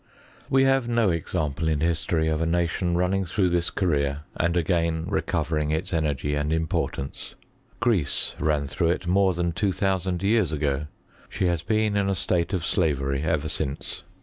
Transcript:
We havs no example in history of a nation running throagh this career and again recovering its energy and import ance. Greece ran through it more than two dioa sand years ago : she has been in a state of slavery ever since.